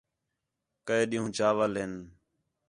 کَئے ݙِِین٘ہوں چاول ہِن